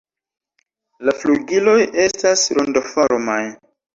La flugiloj estas rondoformaj.